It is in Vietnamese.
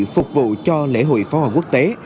phục vụ cho lễ hội pháo hoa quốc tế